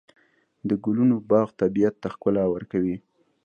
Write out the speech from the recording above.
د ګلونو باغ طبیعت ته ښکلا ورکوي.